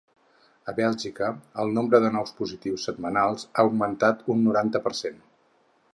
A Bèlgica, el nombre de nous positius setmanals ha augmentat un noranta per cent.